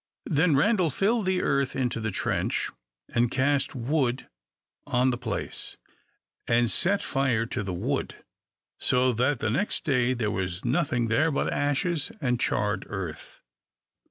Then Randal filled the earth into the trench, and cast wood on the place, and set fire to the wood, so that next day there was nothing there but ashes and charred earth.